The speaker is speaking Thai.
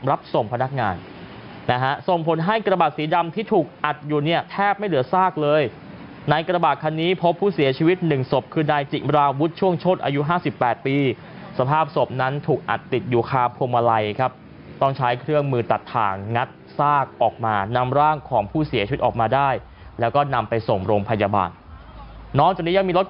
รับส่งพนักงานนะฮะส่งผลให้กระบาดสีดำที่ถูกอัดอยู่เนี่ยแทบไม่เหลือซากเลยในกระบาดคันนี้พบผู้เสียชีวิตหนึ่งศพคือนายจิมราวุฒิช่วงชดอายุห้าสิบแปดปีสภาพศพนั้นถูกอัดติดอยู่คาพวงมาลัยครับต้องใช้เครื่องมือตัดทางงัดซากออกมานำร่างของผู้เสียชีวิตออกมาได้แล้วก็นำไปส่งโรงพยาบาลน้องจากนี้ยังมีรถ